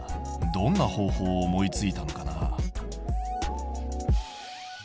どんな方法を思いついたのかな？